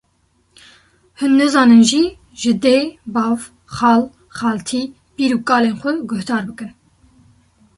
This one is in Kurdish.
hûn nizanin jî ji dê, bav, xal, xaltî, pîr û kalên xwe guhdar bikin